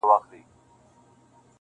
• ښکاري کوتري -